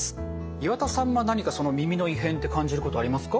岩田さんは何か耳の異変って感じることありますか？